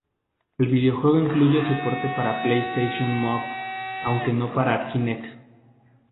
El juego incluye soporte para PlayStation Move aunque no para Kinect.